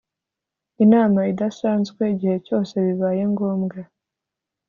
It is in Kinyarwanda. Inama idasanzwe igihe cyose bibaye ngombwa.